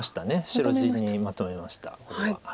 白地にまとめましたこれは。